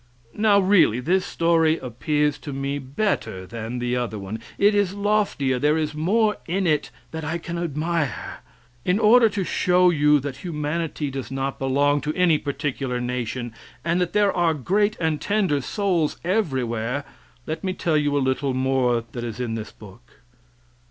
Now, really this story appears to me better than the other one. It is loftier; there is more in it than I can admire. In order to show you that humanity does not belong to any particular nation, and that there are great and tender souls everywhere, let me tell you a little more that is in this book.